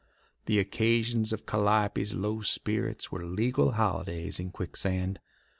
The occasions of Calliope's low spirits were legal holidays in Quicksand.